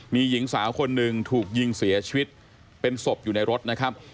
มีหญิงสาวคนหนึ่งถูกยิงเสียชีวิตเป็นศพอยู่ในรถนะครับ